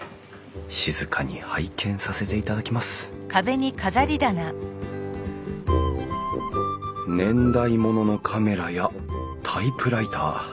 静かに拝見させていただきます年代物のカメラやタイプライター。